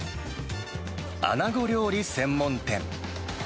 アナゴ料理専門店。